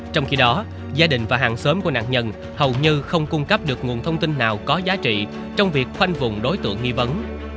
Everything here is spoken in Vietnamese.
trong khi đó gia đình và hàng xóm của nạn nhân hầu như không cung cấp được nguồn thông tin nào có giá trị trong việc khoanh vùng đối tượng nghi vấn